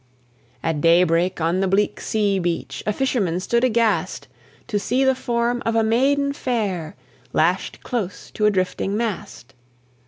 At daybreak on the bleak sea beach A fisherman stood aghast, To see the form of a maiden fair Lashed close to a drifting mast.